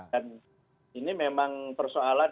dan ini memang persoalan